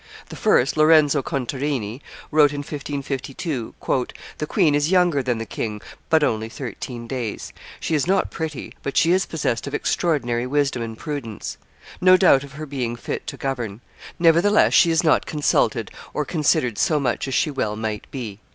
The first, Lorenzo Contarini, wrote in 1552, "The queen is younger than the king, but only thirteen days; she is not pretty, but she is possessed of extraordinary wisdom and prudence; no doubt of her being fit to govern; nevertheless she is not consulted or considered so much as she well might be."